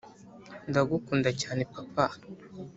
ndagukunda cyane, papa.